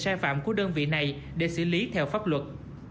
sai phạm của đơn vị này để xử lý theo pháp luật